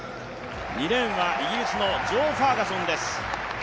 ２レーンはイギリスのジョー・ファーガソンです。